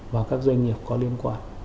và các doanh nghiệp có liên quan